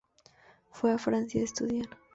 Fue a Francia a estudiar.